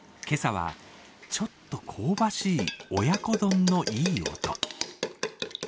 今朝は、ちょっと香ばしい親子丼のいい音。